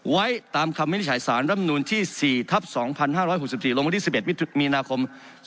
ไว้ตามคำวิทยาศาสนรำนูนที่๔ทับ๒๕๖๔โรงพยาบาลที่๑๑มีนาคม๒๕๑๔